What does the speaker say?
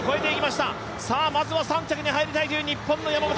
まずは３着に入りたい日本の山本。